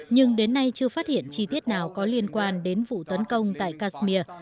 nhưng đến nay chưa phát hiện chi tiết nào có liên quan đến vụ tấn công tại kashmir